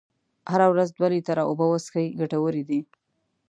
هره ورځ دوه لیتره اوبه وڅښئ ګټورې دي.